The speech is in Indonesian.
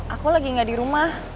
aku lagi gak di rumah